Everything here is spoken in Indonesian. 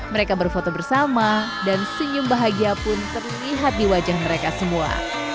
mereka berfoto bersama dan senyum bahagia pun terlihat di wajah mereka semua